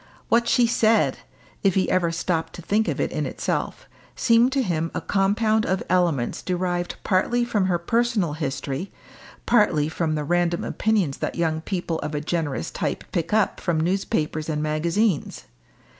What she said, if he ever stopped to think of it in itself, seemed to him a compound of elements derived partly from her personal history, partly from the random opinions that young people of a generous type pick up from newspapers and magazines.